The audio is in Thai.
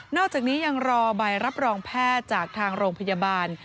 อกจากนี้ยังรอใบรับรองแพทย์จากทางโรงพยาบาล